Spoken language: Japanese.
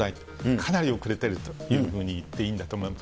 かなり遅れているというふうに言っていいんだと思います。